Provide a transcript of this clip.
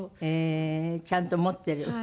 へえーちゃんと持ってる。